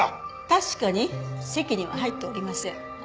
確かに籍には入っておりません。